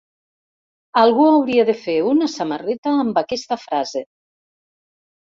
Algú hauria de fer una samarreta amb aquesta frase.